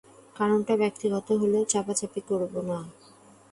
কারণটা ব্যক্তিগত হলে চাপাচাপি করবো না।